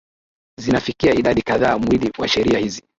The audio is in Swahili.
zinafikia idadi kadhaa Mwili wa sheria hizi